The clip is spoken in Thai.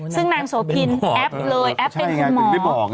ซึ่งนางโสพินแอปเลยแอปเป็นคุณหมอ